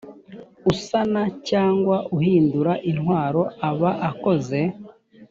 usana cyangwa uhindura intwaro aba akoze